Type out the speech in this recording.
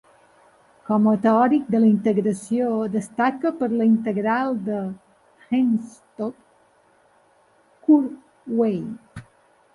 Com a teòric de la integració, destaca per la integral de Henstock-Kurzweil.